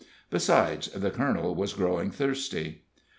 Besides, the colonel was growing thirsty.